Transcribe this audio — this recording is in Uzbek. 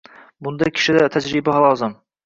Bunda kishida tajriba lozim.